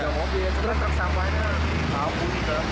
tiga mobil truk sampahnya kabur